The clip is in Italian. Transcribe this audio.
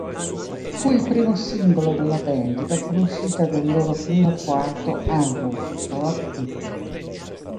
Fu il primo singolo della band dopo l'uscita del loro quarto album, "Rock Pit".